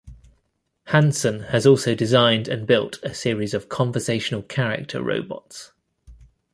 Hanson has also designed and built a series of Conversational Character Robots.